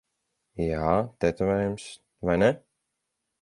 Jā, tetovējums. Vai ne?